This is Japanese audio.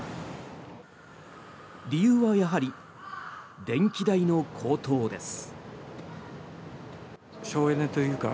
理由はやはり電気代の高騰です。